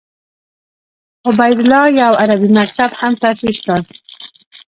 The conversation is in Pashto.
عبیدالله یو عربي مکتب هم تاسیس کړ.